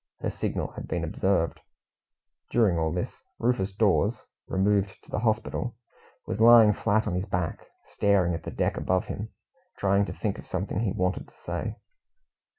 Her signal had been observed. During all this, Rufus Dawes, removed to the hospital, was lying flat on his back, staring at the deck above him, trying to think of something he wanted to say.